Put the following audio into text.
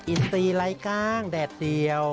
อินซีไร้กล้างแดดเดียว